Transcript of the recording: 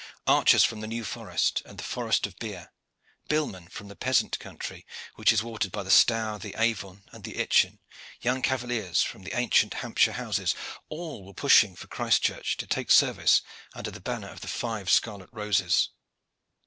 Archers from the New Forest and the Forest of Bere, billmen from the pleasant country which is watered by the Stour, the Avon, and the Itchen, young cavaliers from the ancient Hampshire houses, all were pushing for Christchurch to take service under the banner of the five scarlet roses.